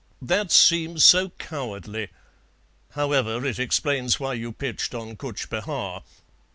"That seems so cowardly; however, it explains why you pitched on Cutch Behar."